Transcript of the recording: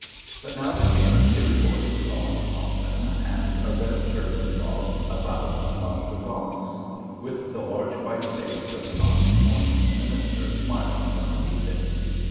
But now there came a cheery voice calling upon them, and a red turban bobbed about among the rocks, with the large white face of the Nonconformist minister smiling from beneath it.